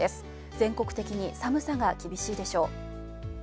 全国的に寒さが厳しいでしょう。